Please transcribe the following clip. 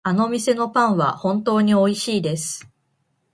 あの店のパンは本当においしいです。